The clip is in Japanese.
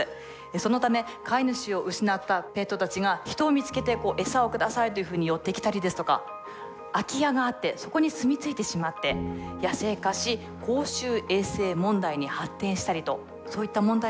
そのため飼い主を失ったペットたちが人を見つけて餌を下さいっていうふうに寄ってきたりですとか空き家があってそこに住みついてしまって野生化し公衆衛生問題に発展したりとそういった問題もありました。